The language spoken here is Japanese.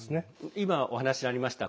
今、お話がありました